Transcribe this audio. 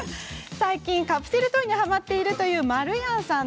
最近、カプセルトイにはまっているというまるやんさん。